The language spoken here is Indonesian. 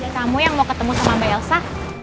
kamu yang mau ketemu sama mbak elsa